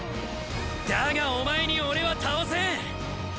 だがお前に俺は倒せん。